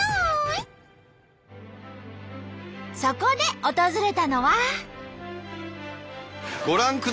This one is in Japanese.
そこで訪れたのは。